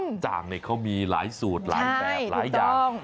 บ้าจางเนี่ยเขามีหลายสูตรหลายแบบหลายอย่างใช่ถูกต้อง